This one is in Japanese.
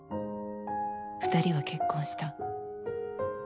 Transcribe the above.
二人は結婚した。